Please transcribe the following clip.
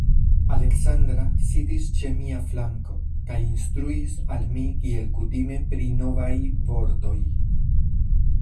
Aleksandra sidis ĉe mia flanko kaj instruis al mi kiel kutime pri novaj vortoj.